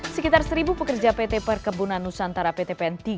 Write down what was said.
sekitar seribu pekerja pt perkebunan nusantara ptpn tiga